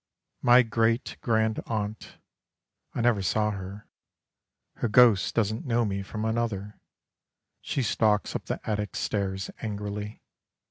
My great grandaunt I never saw her Her ghost doesn't know me from another, She stalks up the attic stairs angrily.